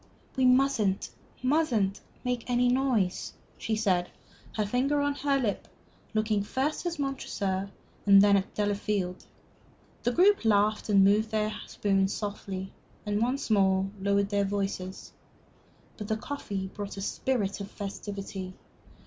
"We mustn't, mustn't make any noise!" she said, her finger on her lip, looking first at Montresor and then at Delafield. The group laughed, moved their spoons softly, and once more lowered their voices. But the coffee brought a spirit of festivity.